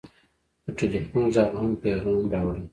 د ټېلفون غږ هم پیغام راوړي.